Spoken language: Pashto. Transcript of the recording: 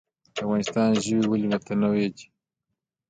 د افغانستان ژوي ولې متنوع دي؟